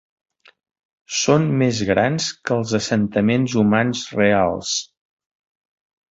Són més grans que els assentaments humans reals.